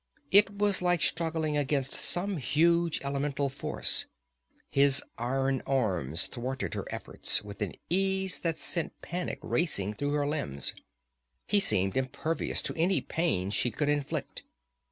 It was like struggling against some huge elemental force; his iron arms thwarted her efforts with an ease that sent panic racing through her limbs. He seemed impervious to any pain she could inflict.